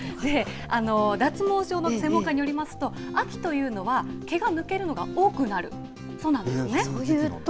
脱毛症の専門家によりますと、秋というのは毛が抜けるのが多くなるそうなんですね。